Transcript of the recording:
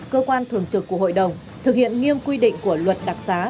cơ quan thường trực của hội đồng thực hiện nghiêm quy định của luật đặc giá